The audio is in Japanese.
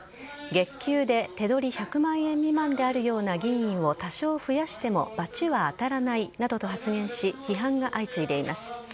月給で、手取り１００万円未満であるような議員を多少増やしても罰は当たらないなどと発言し批判が相次いでいます。